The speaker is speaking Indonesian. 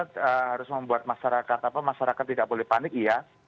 harus membuat masyarakat apa masyarakat tidak boleh panik iya